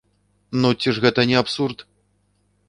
Ну ці ж гэта не абсурд?!